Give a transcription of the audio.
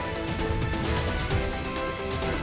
kalau kesenggolnya jatuh